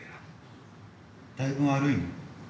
だいぶ悪いの？